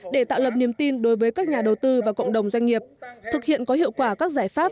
để tạo lập niềm tin đối với các nhà đầu tư và cộng đồng doanh nghiệp thực hiện có hiệu quả các giải pháp